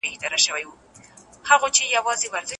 هغه کسان چي مسلکي دي، بايد په دندو وګومارل سي.